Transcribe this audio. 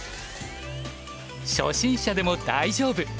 初心者でも大丈夫！